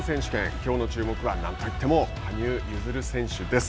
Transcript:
きょうの注目は何といっても羽生結弦選手です。